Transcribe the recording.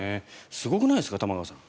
すごくないですか、玉川さん。